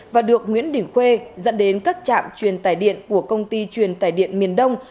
và được nguyễn đình khuê dẫn đến các trạm truyền tài điện của công ty truyền tài điện miền đông